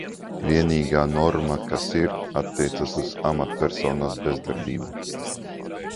Vienīgā norma, kas ir, attiecas uz amatpersonas bezdarbību.